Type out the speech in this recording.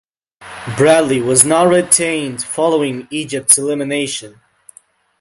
Bradley was not retained following Egypt's elimination.